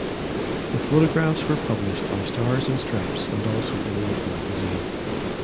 The photographs were published by Stars and Stripes and also in Life magazine.